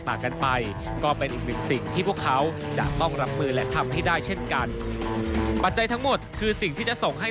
ถ้าทีมเทคนิคบอกว่าไม่ฉันจะไม่ไป